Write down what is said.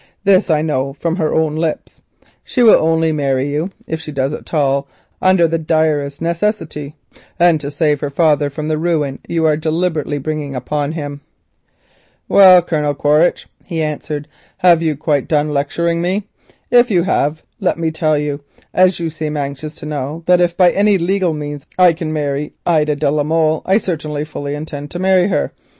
This I know from her own lips. She will only marry you, if she does so at all, under the pressure of direst necessity, and to save her father from the ruin you are deliberately bringing upon him." "Well, Colonel Quaritch," he answered, "have you quite done lecturing me? If you have, let me tell you, as you seem anxious to know my mind, that if by any legal means I can marry Ida de la Molle I certainly intend to marry her.